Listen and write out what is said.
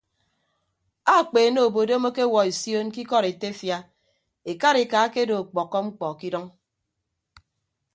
Akpeene obodom akewuọ esion ke ikọdetefia ekarika akedo ọkpọkkọ mkpọ ke idʌñ.